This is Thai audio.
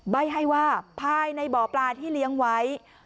ใบ้ให้ว่าภายในบ่อปลาที่เลี้ยงไว้